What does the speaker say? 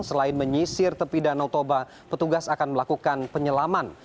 selain menyisir tepi danau toba petugas akan melakukan penyelaman